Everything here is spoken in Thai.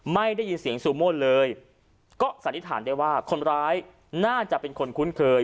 ไม่ได้ยินเสียงซูโม่เลยก็สันนิษฐานได้ว่าคนร้ายน่าจะเป็นคนคุ้นเคย